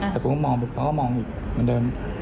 แต่ผมก็มองก็มองอีกเหมือนเดิม